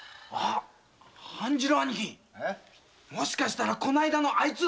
半次郎兄貴もしかしたらこの間のアイツ。